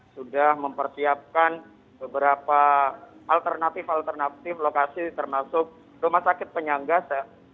sudah mempersiapkan beberapa alternatif alternatif lokasi termasuk rumah sakit penyangga